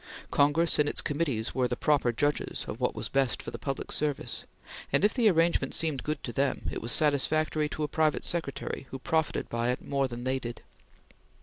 Congress and its committees were the proper judges of what was best for the public service, and if the arrangement seemed good to them, it was satisfactory to a private secretary who profited by it more than they did.